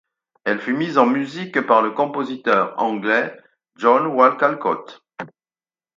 Elle fut mise en musique par le compositeur anglais John Wall Callcott.